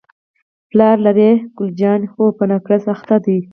پلار لرې؟ ګل جانې: هو، په نقرس اخته دی.